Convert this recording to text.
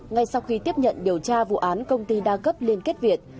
ngay sau khi tiếp nhận điều tra vụ án công ty đa cấp liên kết việt